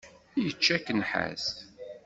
Yečča-k nnḥas.